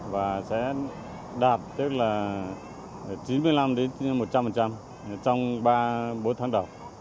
và sẽ đạt tức là chín mươi năm một trăm linh trong ba bốn tháng đầu